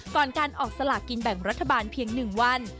ก่อนการออกสลากินแบ่งรัฐบาลเพียง๑วัน